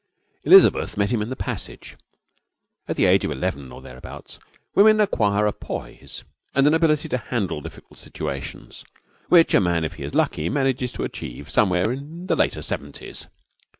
Elizabeth met him in the passage. At the age of eleven or thereabouts women acquire a poise and an ability to handle difficult situations which a man, if he is lucky, manages to achieve somewhere in the later seventies.